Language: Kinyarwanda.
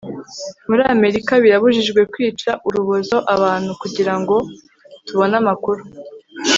Muri Amerika birabujijwe kwica urubozo abantu kugirango tubone amakuru